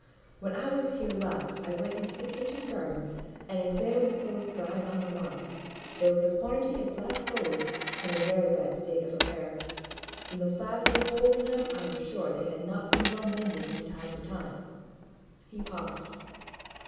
—when I was here last, I went into the kitchen garden and examined the clothes drying on the line; there was a quantity of black hose in a very bad state of repair: from the size of the holes in them I was sure they had not been well mended from time to time." He paused.